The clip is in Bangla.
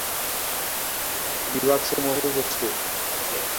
বিভাগসমূহ হচ্ছেঃ